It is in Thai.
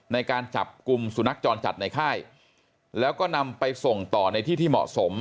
ในการจับกลุ่มสุนัขจรจัดในค่ายแล้วก็นำไปส่งต่อในที่ที่เหมาะสม